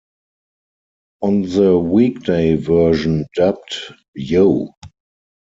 On the weekday version dubbed, Yo!